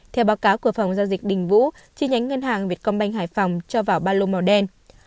theo báo cáo của phòng giao dịch đình vũ chi nhánh ngân hàng việt công banh hải phòng cho vào ba lô màu đen